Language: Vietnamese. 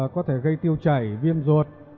có thể gây tiêu chảy viêm ruột